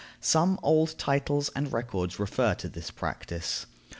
Some old titles and records refer to this practice.